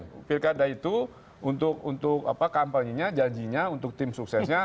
pilih pilkada itu untuk kampanye nya janjinya untuk tim suksesnya